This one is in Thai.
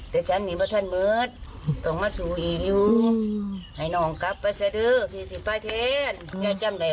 แต่ฉันนี่บ้าเธอมือต่อมาสู่้งอย่างนี้